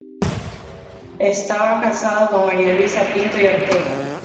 Estaba casado con María Luisa Pinto y Ortega.